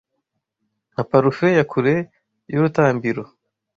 nka parufe ya kure y'urutambiro